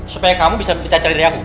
supaya kamu bisa ceraiin aku